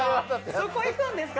そこ行くんですか？